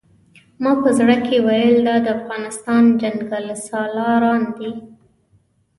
ما په زړه کې ویل دا د افغانستان جنګسالاران دي.